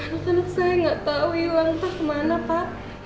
anak anak saya gak tau ilang entah kemana pak